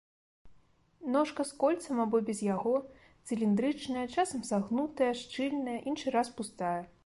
Ножка з кольцам або без яго, цыліндрычная, часам сагнутая, шчыльная, іншы раз пустая.